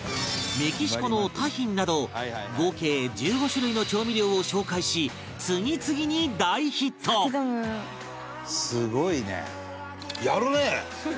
メキシコのタヒンなど合計１５種類の調味料を紹介し次々に大ヒット「サテトム」「すごいね」